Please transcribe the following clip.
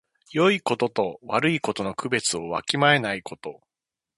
よいことと悪いことの区別をわきまえないこと。